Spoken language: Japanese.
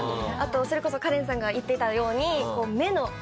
あとそれこそカレンさんが言ってたように。